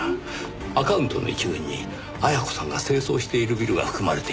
アカウントの一群に絢子さんが清掃しているビルが含まれています。